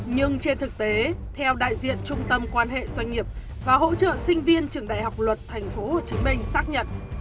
nhưng trên thực tế theo đại diện trung tâm quan hệ doanh nghiệp và hỗ trợ sinh viên trường đại học luật thành phố hồ chí minh xác nhận